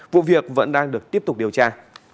vụ việc vẫn đang được tiếp tục điều tra